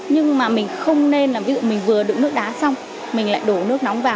nhưng mà mình không nên là ví dụ mình vừa đựng nước đá xong mình lại đổ nước nóng vào